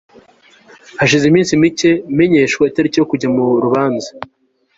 hashize iminsi micye menyeshwa itariki yo kujya murubanza